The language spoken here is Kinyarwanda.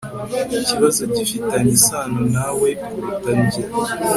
ikibazo gifitanye isano nawe kuruta njye